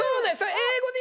英語で！